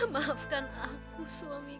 maafkan aku suamiku